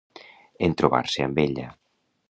En trobar-se amb ella.